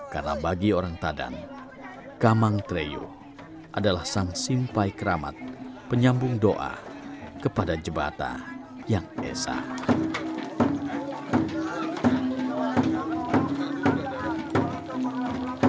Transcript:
karena bagi orang tadan gamang treyuh adalah sang simpai keramat penyambung doa kepada jebatan yang esah